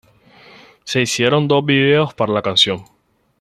Se hicieron dos videos para la canción.